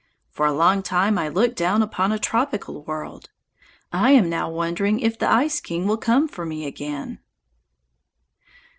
For a long time I looked down upon a tropical world. I am now wondering if the Ice King will come for me again."